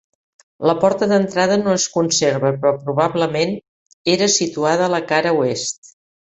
La porta d'entrada no es conserva però probablement, era situada a la cara oest.